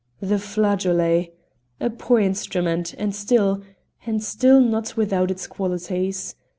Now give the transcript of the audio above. "The flageolet! a poor instrument, and still and still not without its qualities.